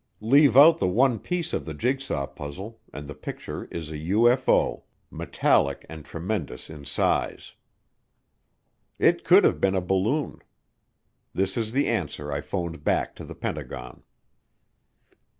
Leave out the one piece of the jigsaw puzzle and the picture is a UFO, "metallic and tremendous in size." It could have been a balloon. This is the answer I phoned back to the Pentagon.